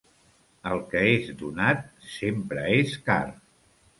El que és donat sempre és car.